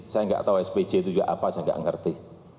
saya nggak tahu spj itu juga apa saya nggak ngerti